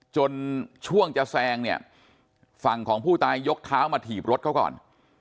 จนช่วงจะแซงเนี่ยฝั่งของผู้ตายยกเท้ามาถีบรถเขาก่อน